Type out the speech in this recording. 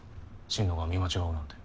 心野が見間違うなんて。